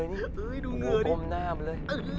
มักเป็นแฝนส์กันขนาดนี้เหรอปะนี่